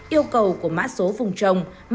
yêu cầu của mã số vùng trồng